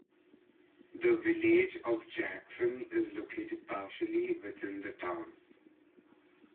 The Village of Jackson is located partially within the town.